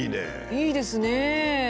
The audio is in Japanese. いいですね！